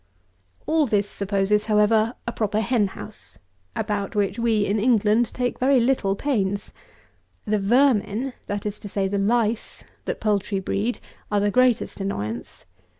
All this supposes, however, a proper hen house, about which we, in England, take very little pains. The vermin, that is to say, the lice, that poultry breed, are the greatest annoyance.